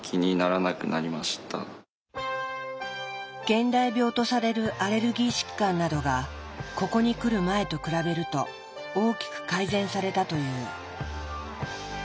現代病とされるアレルギー疾患などがここに来る前と比べると大きく改善されたという。